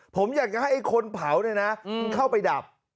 ผมอยากจะให้ไอ้คนเผาเนี่ยนะเข้าไปดับ